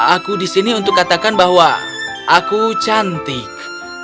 aku disini untuk katakan bahwa aku cantik